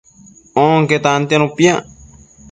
Onque tantianu piac